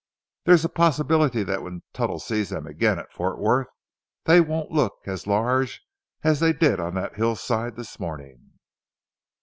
There is a possibility that when Tuttle sees them again at Fort Worth, they won't look as large as they did on that hillside this morning."